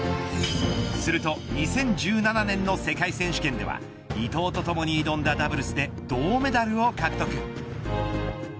すると２０１７年の世界選手権では伊藤とともに挑んだダブルスで銅メダルを獲得。